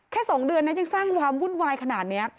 แค่สองเดือนยังสร้างความวุ่นวายขนาดนี้